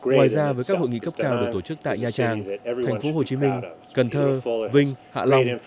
ngoài ra với các hội nghị cấp cao được tổ chức tại nha trang thành phố hồ chí minh cần thơ vinh hạ long